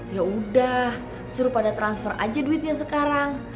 yaudah suruh pada transfer aja duitnya sekarang